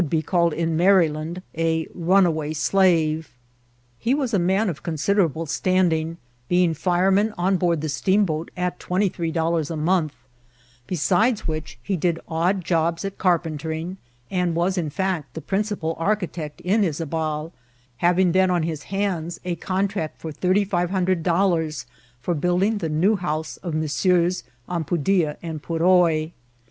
be called in Maryland a runaway slave. He was a man of considerable standing, being fireman on board the steamboat at $23 a month ; besides which, he did odd jobs at carpentering, and was, in fact, the princi pal architect in Yzabal, having then on his hands a contract for $3500 for building the new house of Messrs. Ampudia and Purroy.